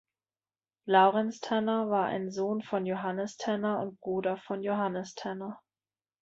Laurenz Tanner war ein Sohn von Johannes Tanner und Bruder von Johannes Tanner.